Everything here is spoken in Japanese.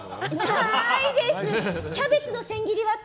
キャベツの千切りはある！